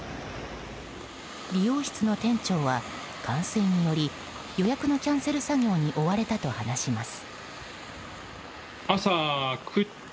理容室の店長は、冠水により予約のキャンセル作業に追われたと話します。